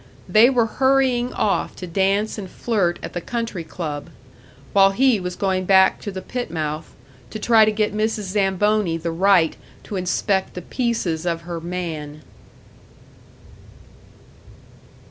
They were hurrying off to dance and flirt at the country club while he was going back to the pit mouth, to try to get Mrs. Zamboni the right to inspect the pieces of her "man"!